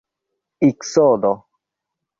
iksodo